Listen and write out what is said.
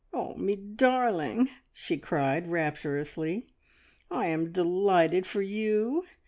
"Oh, me darling," she cried rapturously, "I am delighted for you!